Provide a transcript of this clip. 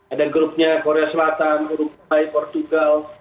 ada grupnya korea selatan urug pai portugal